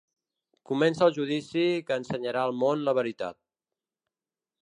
Comença el judici que ensenyarà al món la veritat.